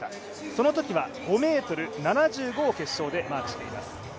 そのときは５ｍ７５を決勝でマークしています。